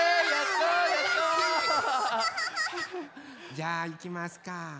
じゃあいきますか。